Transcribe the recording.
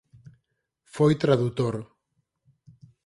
Foi tradutor.